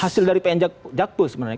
hasil dari pn jakto sebenarnya